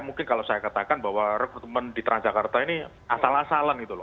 mungkin kalau saya katakan bahwa rekrutmen di transjakarta ini asal asalan gitu loh